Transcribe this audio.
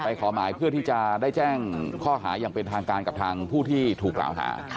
ขอหมายเพื่อที่จะได้แจ้งข้อหาอย่างเป็นทางการกับทางผู้ที่ถูกกล่าวหา